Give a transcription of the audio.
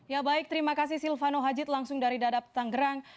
ya baik terima kasih silvano hajid langsung dari dadap tanggerang